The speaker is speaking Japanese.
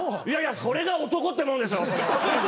いやいやそれが男ってもんでしょ。